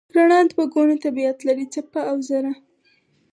رڼا دوه ګونه طبیعت لري: څپه او ذره.